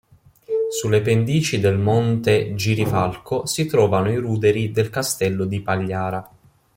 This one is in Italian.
Sulle pendici del monte Girifalco si trovano i ruderi del castello di Pagliara.